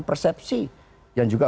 persepsi yang juga